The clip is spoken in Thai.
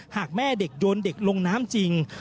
หากแม่เด็กโยนเด็กลงน้ำจริง